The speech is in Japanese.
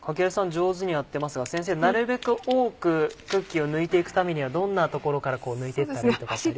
上手にやってますが先生なるべく多くクッキーを抜いていくためにはどんな所から抜いてったらいいとかってあります？